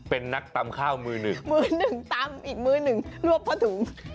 เป็นนักตำข้าวมือหนึ่งมือหนึ่งตำอีกมือหนึ่งรวบพ่อถุง